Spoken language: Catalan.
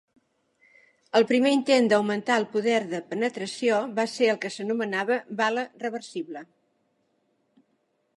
El primer intent d'augmentar el poder de penetració va ser el que s'anomenava "bala reversible".